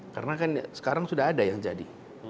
karena kan sekarang sudah ada yang jadi